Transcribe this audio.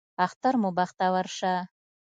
اختر مو بختور شه